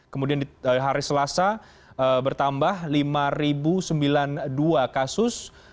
kemudian di hari selasa bertambah lima sembilan puluh dua kasus